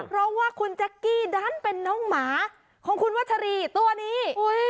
เพราะว่าคุณแจ๊กกี้ดันเป็นน้องหมาของคุณวัชรีตัวนี้